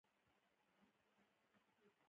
انار د افغانستان د ملي اقتصاد یوه ډېره مهمه برخه ده.